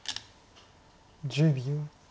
１０秒。